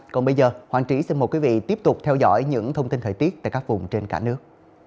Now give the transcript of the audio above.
còn bây giờ hoàng trí xin mời quý vị tiếp tục theo dõi những thông tin thời tiết tại các vùng trên cả nước